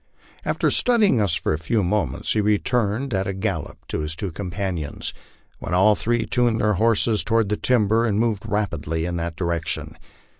After studying us for a few moments he returned at a gallop to his two com panions, when all three turned their horses toward the timber and moved rapidly in that direction.